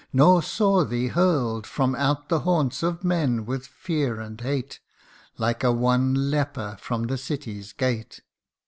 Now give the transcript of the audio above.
nor saw thee hurl'd From out the haunts of men with fear and hate, Like a wan leper from the city's gate